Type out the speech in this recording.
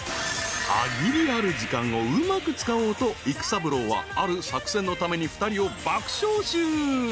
［限りある時間をうまく使おうと育三郎はある作戦のために２人を爆招集］